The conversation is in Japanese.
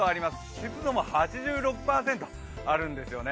湿度も８６％あるんですよね。